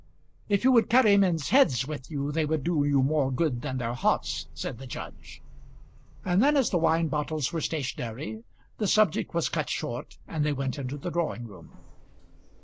"If you would carry men's heads with you they would do you more good than their hearts," said the judge. And then as the wine bottles were stationary, the subject was cut short and they went into the drawing room.